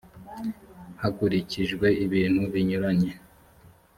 hakurikijwe ibintu binyuranye